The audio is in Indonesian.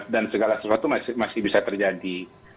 dan segala sesuatu masih bisa terjadi